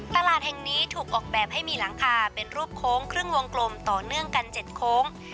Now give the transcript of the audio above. ตลาดแห่งนี้ถูกออกแบบให้มีหลังคาเป็นรูปโค้งครึ่งวงกลมต่อเนื่องกัน๗โค้ง